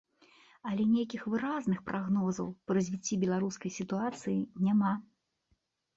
Але нейкіх выразных прагнозаў па развіцці беларускай сітуацыі няма.